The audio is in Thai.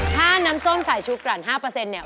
ถ้าน้ำส้มใส่ชูกรั่น๕เนี่ย